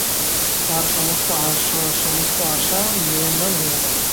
তাঁহার সমস্ত আশা ম্রিয়মাণ হইয়া গেল।